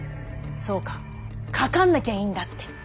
そっか「かかんなきゃ」いいんだって！